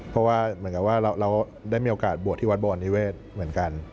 เพราะว่าเหมือนกับว่าเราได้มีโอกาสบวชที่วัดบวรนิเวศเหมือนกัน